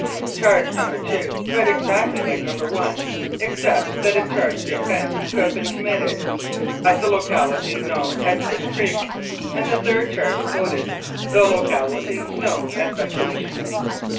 Charge No. 2 read exactly like No. i, except that it charged the offence to have been committed "At the locality known as Fish Creek," and the third charge quoted "The locality known as Batoche."